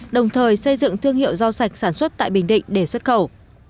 đồng thời xây dựng thương hiệu rau sạch sản xuất tại bình định để xuất khẩu